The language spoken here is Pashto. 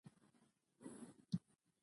ساعت د وخت معلومولو لپاره مهم ده.